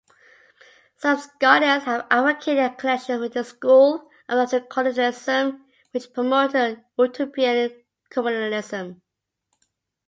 Some scholars have advocated connections with the school of agriculturalism, which promoted utopian communalism.